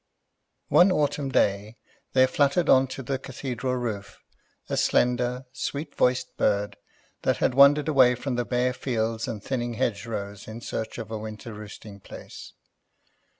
One autumn day there fluttered on to the Cathedral roof a slender, sweet voiced bird that had wandered away from the bare fields and thinning hedgerows in search of a winter roosting place.